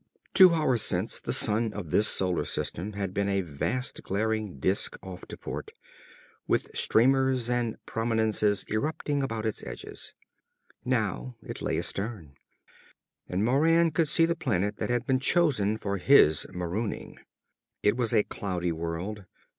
Two hours since, the sun of this solar system had been a vast glaring disk off to port, with streamers and prominences erupting about its edges. Now it lay astern, and Moran could see the planet that had been chosen for his marooning. It was a cloudy world.